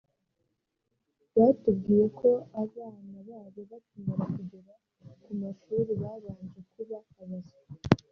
Batubwiye ko abana babo bakimara kugera ku mashuri babanje kuba abaswa